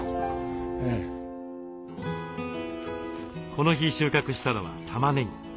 この日収穫したのはたまねぎ。